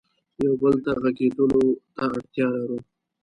یو بل ته غږېدلو ته اړتیا لرو.